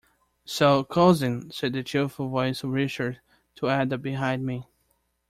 "So, cousin," said the cheerful voice of Richard to Ada behind me.